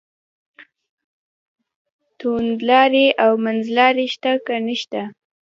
توندلاري او منځلاري شته که نشته.